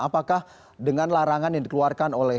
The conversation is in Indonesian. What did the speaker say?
apakah dengan larangan yang dikeluarkan oleh